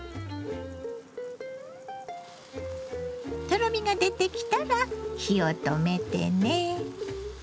とろみが出てきたら火を止めてね。